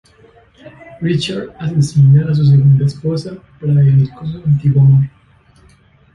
Richard asesina a su segunda esposa para vivir con su antiguo amor.